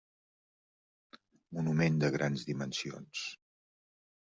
Monument de grans dimensions.